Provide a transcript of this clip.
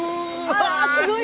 わあすごい！